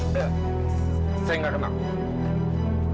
saya nggak kenal